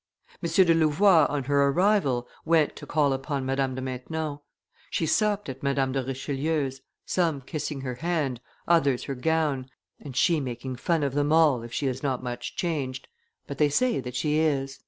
M. do Louvois on her arrival went to call upon Madame de Maintenon; she supped at Madame de Richelieu's, some kissing her hand, others her gown, and she making fun of them all, if she is not much changed; but they say that she is."